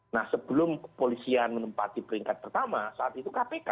nah sebelum kepolisian menempati peringkat pertama saat itu kpk